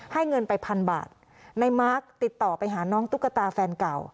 เงินไปพันบาทในมาร์คติดต่อไปหาน้องตุ๊กตาแฟนเก่า